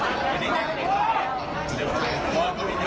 โอ้โฮ